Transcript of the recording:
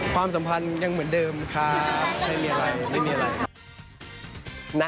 ความสัมพันธ์ยังเหมือนเดิมค่ะไม่มีอะไรนะ